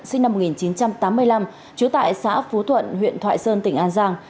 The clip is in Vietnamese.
sinh năm một nghìn chín trăm tám mươi năm trú tại xã phú thuận huyện thoại sơn tỉnh an giang